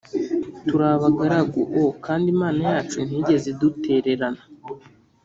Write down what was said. Turi abagaragu o kandi Imana yacu ntiyigeze idutererana